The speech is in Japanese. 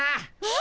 え？